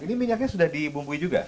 ini minyaknya sudah dibumbui juga